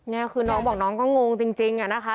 นี่คือน้องบอกน้องก็งงจริงอะนะคะ